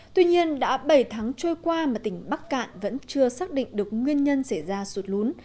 tuy nhiên đã bảy tháng trôi qua mà tỉnh bắc cạn vẫn chưa xác định được nguyên nhân xảy ra sụt lún